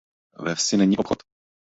Ve vsi není obchod.